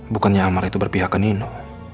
bukannya amar itu berpihak ke nino